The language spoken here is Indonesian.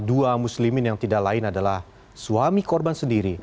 dua muslimin yang tidak lain adalah suami korban sendiri